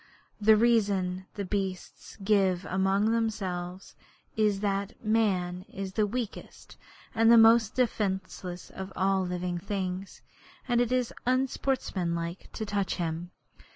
The reason the beasts give among themselves is that Man is the weakest and most defenceless of all living things, and it is unsportsmanlike to touch him.